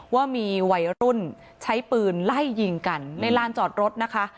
ว่ามีวัยรุ่นใช้ปืนไล่ยิงกันในลานจอดรถนะคะ